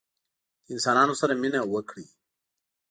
له انسانانو سره مینه وکړئ